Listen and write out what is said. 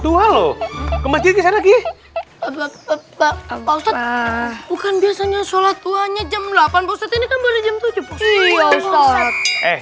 duha loh ke masjid lagi bukan biasanya sholat duhanya jam delapan ini kan boleh jam tujuh eh